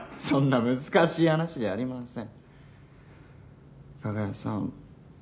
そんな難しい話じゃありません加賀谷さん